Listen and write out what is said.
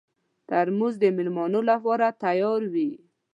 ترموز د مېلمنو لپاره تیار وي.